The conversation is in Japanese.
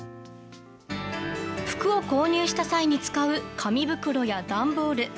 服を購入した際に使う紙袋や段ボール。